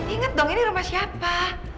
ingat dong ini rumah siapa